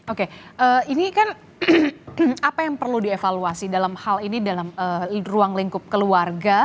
oke ini kan apa yang perlu dievaluasi dalam hal ini dalam ruang lingkup keluarga